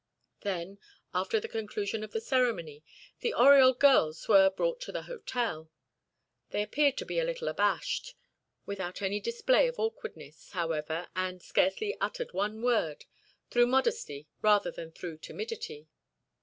Then, after the conclusion of the ceremony, the Oriol girls were brought to the hotel. They appeared to be a little abashed, without any display of awkwardness, however, and scarcely uttered one word, through modesty rather than through timidity.